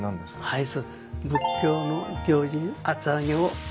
はい。